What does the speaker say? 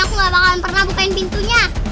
aku gak bakalan pernah bukain pintunya